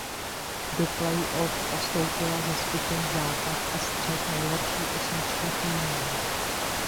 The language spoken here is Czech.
Do play off postoupila ze skupin západ a střed nejlepší osmička týmů.